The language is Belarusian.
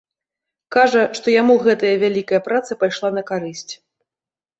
Кажа, што яму гэтая вялікая праца пайшла на карысць.